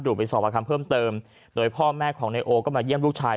ไปสอบประคำเพิ่มเติมโดยพ่อแม่ของนายโอก็มาเยี่ยมลูกชาย